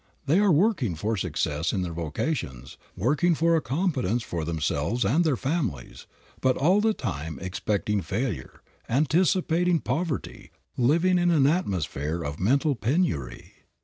They are working for success in their vocations, working for a competence for themselves and their families, but all the time expecting failure, anticipating poverty, living in an atmosphere of mental penury.